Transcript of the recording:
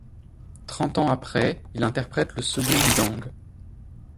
Trente ans après, il interprète le second du gang.